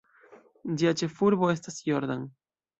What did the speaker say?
Ĝia ĉefurbo estas "Jordan".